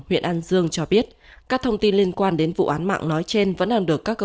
huyện an dương cho biết các thông tin liên quan đến vụ án mạng nói trên vẫn đang được các cơ